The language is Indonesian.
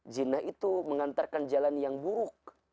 zina itu mengantarkan jalan yang buruk